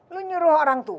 lo nyuruh orang tua jok